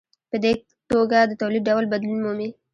په دې توګه د تولید ډول بدلون مومي.